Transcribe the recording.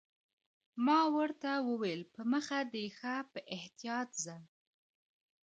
ما ورته وویل: په مخه دې ښه، په احتیاط ځه.